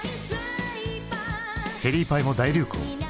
チェリーパイも大流行。